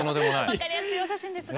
分かりやすいお写真ですが。